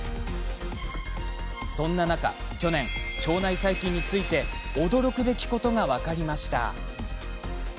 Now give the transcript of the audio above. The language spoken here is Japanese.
そんな中、去年腸内細菌について驚くべきことが分かりました。